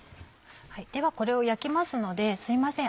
ではこれを焼きますのですいません